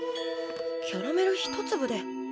キャラメル一粒で。